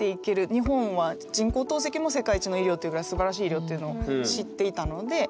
日本は人工透析も世界一の医療というぐらいすばらしい医療というのを知っていたので。